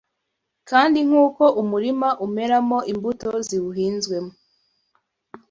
kandi nk’uko umurima umeramo imbuto ziwuhinzwemo